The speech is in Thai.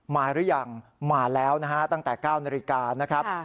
หรือยังมาแล้วนะฮะตั้งแต่๙นาฬิกานะครับ